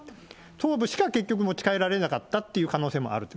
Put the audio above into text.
頭部しか結局、持ち帰られなかったという可能性もあると。